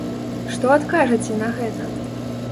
Што адкажаце на гэта?